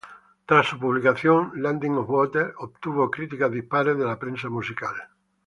Tras su publicación, "Landing on Water" obtuvo críticas dispares de la prensa musical.